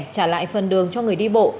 trả lại phần đường cho người đi bộ